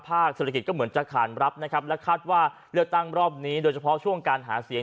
เศรษฐกิจก็เหมือนจะขานรับนะครับและคาดว่าเลือกตั้งรอบนี้โดยเฉพาะช่วงการหาเสียง